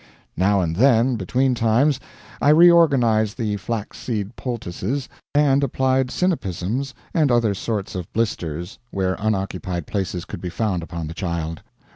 Now and then, between times, I reorganized the flax seed poultices, and applied sinapisms and other sorts of blisters where unoccupied places could be found upon the child.